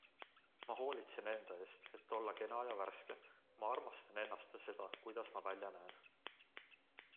Ma hoolitsen enda eest, et olla kena ja värske - ma armastan ennast ja seda, kuidas ma välja näen.